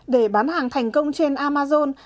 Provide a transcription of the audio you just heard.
để bán hàng thành công trên amazon